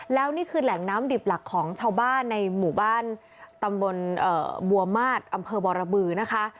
แล้วนี่คือแหล่งน้ำดิบหลักของชาวบ้านในหมู่บ้านตำบลบัวมาสอำเภอบรบือนะคะ